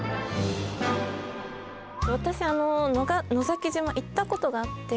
私野崎島行ったことがあって。